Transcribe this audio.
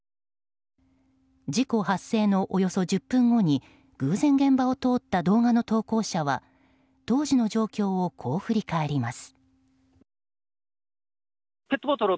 事故発生のおよそ１０分後に偶然現場を通った動画の投稿者は当時の状況をこう振り返ります。